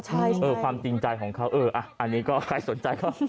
ใช่เออความจริงใจของเขาเอออันนี้ก็ใครสนใจก็